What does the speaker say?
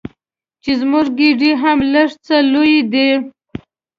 چې زموږ ګېډې هم لږ څه لویې دي.